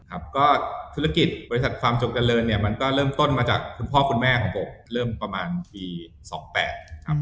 ครับก็ธุรกิจบริษัทฟาร์มจงเจริญเนี่ยมันก็เริ่มต้นมาจากคุณพ่อคุณแม่ของผมเริ่มประมาณปี๒๘นะครับ